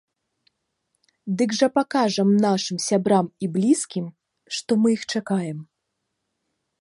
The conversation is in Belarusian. Дык жа пакажам нашым сябрам і блізкім, што мы іх чакаем.